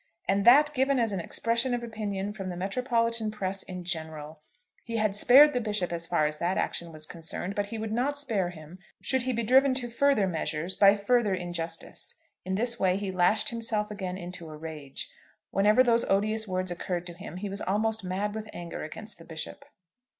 And that given as an expression of opinion from the metropolitan press in general! He had spared the Bishop as far as that action was concerned, but he would not spare him should he be driven to further measures by further injustice. In this way he lashed himself again into a rage. Whenever those odious words occurred to him he was almost mad with anger against the Bishop.